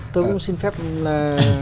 tôi cũng xin phép là